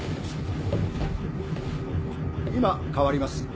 今替わります。